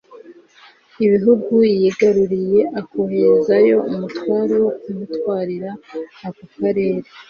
ibihugu yigaruriye akoherezayo Umutware wo kumutwarira ako Karere.